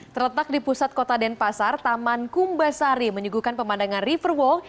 terletak di pusat kota denpasar taman kumbasari menyuguhkan pemandangan riverwall